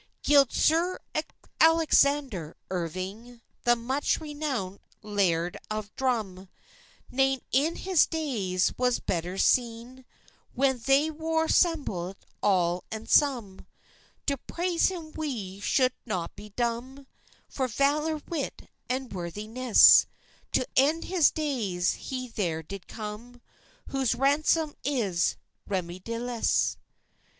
Gude Sir Allexander Irving, The much renowit laird of Drum, Nane in his days was bettir sene When they war semblit all and sum. To praise him we sould not be dumm, For valour, witt, and worthyness; To end his days he ther did cum Whose ransom is remeidyless.